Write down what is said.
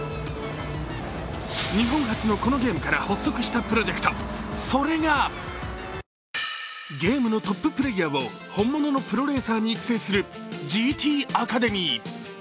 日本発のこのゲームから発足したプロジェクト、それがゲームのトッププレーヤーを本物のプロレーサーに育成するＧＴアカデミー。